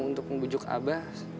untuk membujuk abah